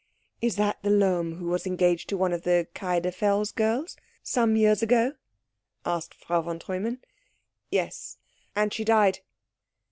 "Is that the Lohm who was engaged to one of the Kiederfels girls some years ago?" asked Frau von Treumann. "Yes, and she died."